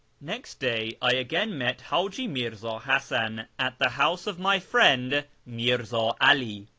Next day I again met Haji Mi'rza Hasan at the house of my friend Mh'Zi'i 'All.